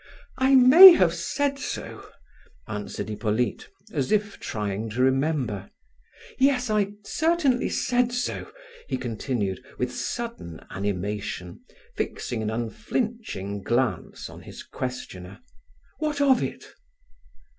"I may have said so," answered Hippolyte, as if trying to remember. "Yes, I certainly said so," he continued with sudden animation, fixing an unflinching glance on his questioner. "What of it?"